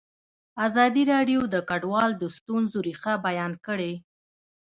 ازادي راډیو د کډوال د ستونزو رېښه بیان کړې.